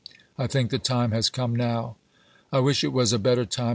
I think the time has come now. I wish it was a better time.